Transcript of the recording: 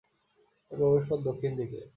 এর প্রবেশপথ দক্ষিণ দিকে।